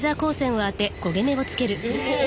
え！